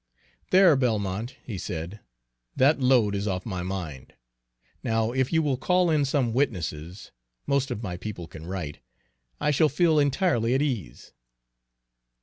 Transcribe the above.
"There, Belmont," he said, "that load is off my mind. Now, if you will call in some witnesses, most of my people can write, I shall feel entirely at ease."